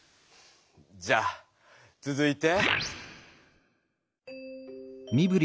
じゃあつづいて。